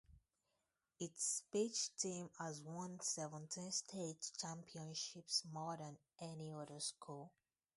Its speech team has won seventeen state championships, more than any other school.